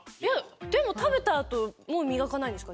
でも食べたあともみがかないんですか？